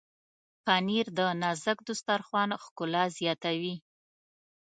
پنېر د نازک دسترخوان ښکلا زیاتوي.